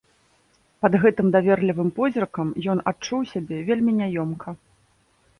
Пад гэтым даверлівым позіркам ён адчуў сябе вельмі няёмка.